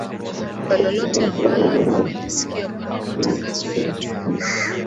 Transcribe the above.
kwa lolote ambalo umelisikia kwenye matangazo yetu